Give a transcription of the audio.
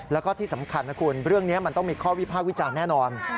แล้วก็ที่สำคัญนะคุณเรื่องนี้มันต้องมีข้อวิภาควิจารณ์แน่นอน